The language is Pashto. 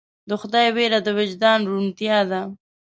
د خدای ویره د وجدان روڼتیا ده.